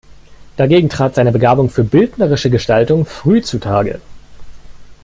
Dagegen trat seine Begabung für bildnerische Gestaltung früh zutage.